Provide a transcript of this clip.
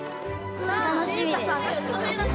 楽しみです。